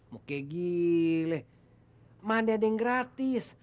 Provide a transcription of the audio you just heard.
mau kegile mana ada yang gratis